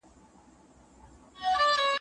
زما سکروټه په پرهر موسیقي راغله